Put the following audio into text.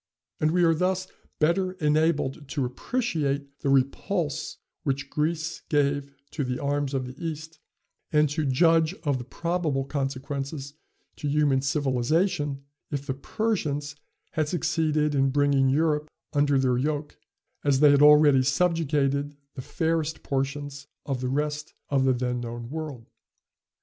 And we are thus better enabled to appreciate the repulse which Greece gave to the arms of the East, and to judge of the probable consequences to human civilization, if the Persians had succeeded in bringing Europe under their yoke, as they had already subjugated the fairest portions of the rest of the then known world.